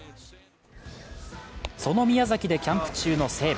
その宮崎でキャンプ中の西武。